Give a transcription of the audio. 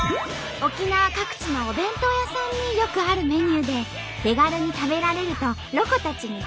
沖縄各地のお弁当屋さんによくあるメニューで手軽に食べられるとロコたちに大人気！